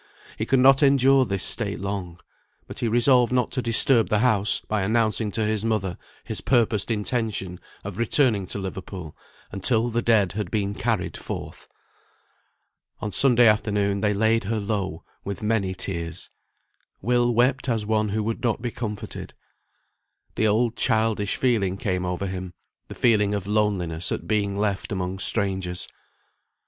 He could not endure this state long; but he resolved not to disturb the house by announcing to his mother his purposed intention of returning to Liverpool, until the dead had been carried forth. On Sunday afternoon they laid her low with many tears. Will wept as one who would not be comforted. The old childish feeling came over him, the feeling of loneliness at being left among strangers.